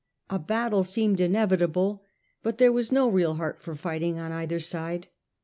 A battle seemed inevitable; but there was no real heart for fighting on either side.